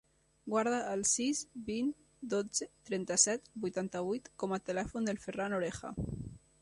Guarda el sis, vint, dotze, trenta-set, vuitanta-vuit com a telèfon del Ferran Oreja.